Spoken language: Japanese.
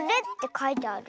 かいてある。